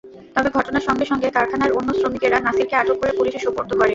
তবে ঘটনার সঙ্গে সঙ্গে কারখানার অন্য শ্রমিকেরা নাসিরকে আটক করে পুলিশে সোপর্দ করে।